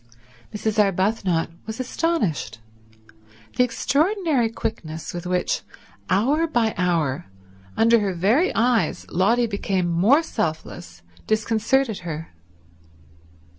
Mrs. Arbuthnot was astonished. The extraordinary quickness with which, hour by hour, under her very eyes, Lotty became more selfless, disconcerted her.